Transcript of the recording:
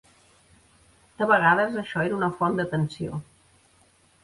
De vegades això era una font de tensió.